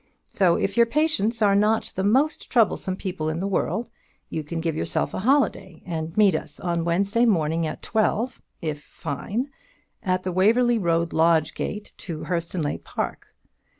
So, if your patients are not the most troublesome people in the world, you can give yourself a holiday, and meet us on Wednesday morning, at twelve, if fine, at the Waverly Road lodge gate to Hurstonleigh Park.